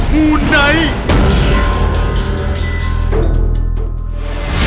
มูไนท์